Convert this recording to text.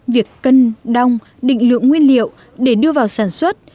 việc cân đong định lượng nguyên liệu để đưa vào sản xuất